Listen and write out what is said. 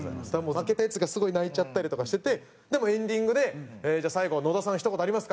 負けたヤツがすごい泣いちゃったりとかしててでもエンディングで「じゃあ最後野田さんひと言ありますか？」